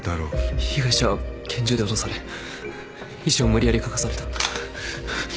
被害者は拳銃で脅され遺書を無理やり書かされた。